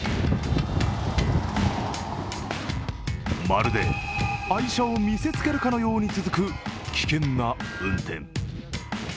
まるで愛車を見せつけるかのように続く危険な運転。